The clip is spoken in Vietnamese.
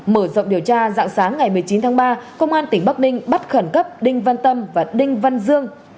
mở rộng điều tra dạng sáng ngày một mươi chín tháng ba công an tỉnh bắc ninh bắt khẩn cấp đinh văn tâm và đinh văn dương